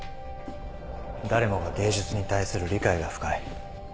誰もが芸術に対する理解が深い。